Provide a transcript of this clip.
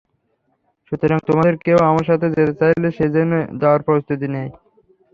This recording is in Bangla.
সুতরাং তোমাদের কেউ আমার সাথে যেতে চাইলে সে যেন যাওয়ার প্রস্তুতি নেয়।